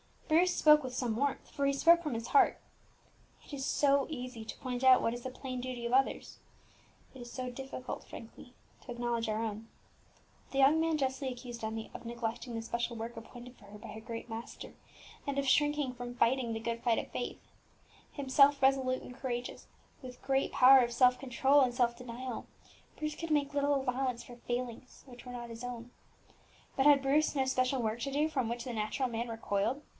Bruce spoke with some warmth, for he spoke from his heart. It is so easy to point out what is the plain duty of others; it is so difficult frankly to acknowledge our own. The young man justly accused Emmie of neglecting the special work appointed for her by her Great Master, and of shrinking from fighting the good fight of faith. Himself resolute and courageous, with great power of self control and self denial, Bruce could make little allowance for failings which were not his own. But had Bruce no special work to do from which the natural man recoiled?